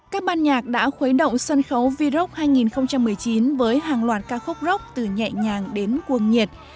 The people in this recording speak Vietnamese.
các ban nhạc đã khuấy động sân khấu v rock hai nghìn một mươi chín với hàng loạt ca khúc rock từ nhẹ nhàng đến cuồng nhiệt